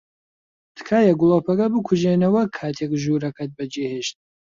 تکایە گڵۆپەکە بکوژێنەوە کاتێک ژوورەکەت بەجێھێشت.